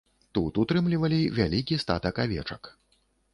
Тут утрымлівалі вялікі статак авечак.